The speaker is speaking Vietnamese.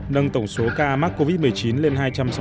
nâng tổng số ca mắc covid một mươi chín lên hai trăm sáu mươi ca